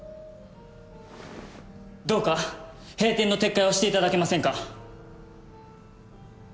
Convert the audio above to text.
どうか閉店の撤回をしていただけませんか。